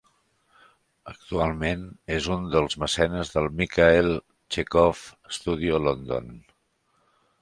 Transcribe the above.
Actualment és un dels mecenes del Michael Chekhov Studio London.